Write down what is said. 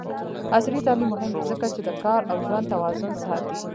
عصري تعلیم مهم دی ځکه چې د کار او ژوند توازن ساتي.